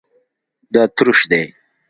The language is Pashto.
دا تروش دی